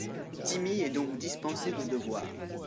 Timmy est donc dispensé de devoirs.